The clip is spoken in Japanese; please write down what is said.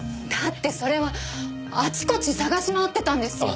だってそれはあちこち捜し回ってたんです。